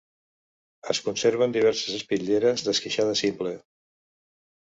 Es conserven diverses espitlleres d'esqueixada simple.